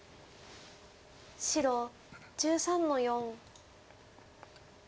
白１３の四。